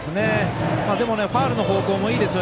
でもファウルの方向もいいですよ。